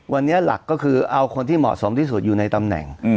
วันนี้หลักก็คือเอาคนที่เหมาะสมที่สุดอยู่ในตำแหน่ง